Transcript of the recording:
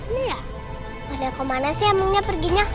padahal kemana sih emangnya perginya